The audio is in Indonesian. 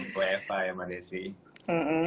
bagaimana ya mbak desya